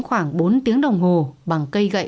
khoảng bốn tiếng đồng hồ bằng cây gậy